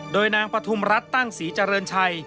โดยนางปฐุมรัฐตั้งศรีเจริญชัย